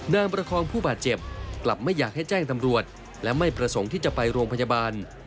ประคองผู้บาดเจ็บกลับไม่อยากให้แจ้งตำรวจและไม่ประสงค์ที่จะไปโรงพยาบาล